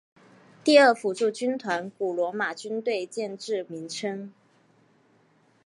第二辅助军团古罗马军队建制名称。